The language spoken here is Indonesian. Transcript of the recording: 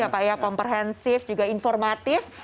apa ya komprehensif juga informatif